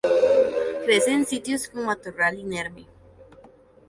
Crece en sitios con matorral inerme.